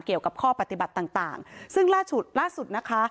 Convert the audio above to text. เกี่ยวกับข้อปฏิบัติต่างซึ่งล่าสุดนะคะ